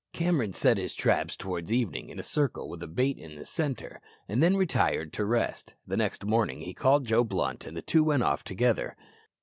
Cameron set his traps towards evening in a circle with a bait in the centre, and then retired to rest. Next morning he called Joe Blunt, and the two went off together.